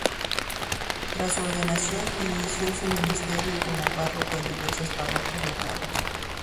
Tras su ordenación inició su ministerio como párroco en diversas parroquias locales.